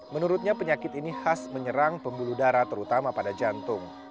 menurutnya penyakit ini khas menyerang pembuluh darah terutama pada jantung